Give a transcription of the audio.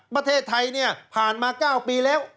ประเทศไทยเนี่ยผ่านมา๙ปีแล้ว